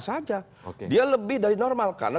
saja dia lebih dari normal karena